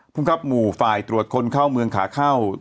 ภูมิครับหมู่ฝ่ายตรวจคนเข้าเมืองขาเข้า